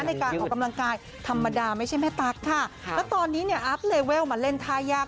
ในการออกกำลังกายธรรมดาไม่ใช่แม่ตั๊กค่ะแล้วตอนนี้เนี่ยอัพเลเวลมาเล่นท่ายาก